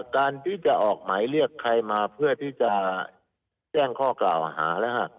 การที่จะออกหมายเรียกใครมาเพื่อที่จะแจ้งข้อกล่าวหาแล้วฮะ